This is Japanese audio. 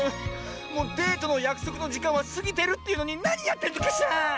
もうデートのやくそくのじかんはすぎてるっていうのになにやってんのかしら！